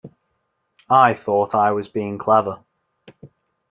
I thought I was being clever.